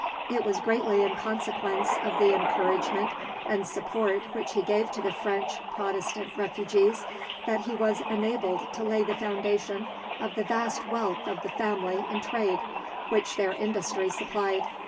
It was greatly in consequence of the encouragement and support which he gave to the French Protestant refugees that he was enabled to lay the foundation of the vast wealth of the family in trade, which their industry supplied.